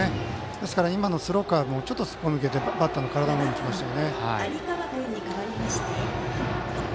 ですから今のスローカーブもちょっと、すっぽ抜けてバッターの体の方に来ましたね。